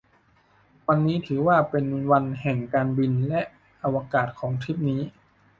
วันนี้ถือว่าเป็นวันแห่งการบินและอวกาศของทริปนี้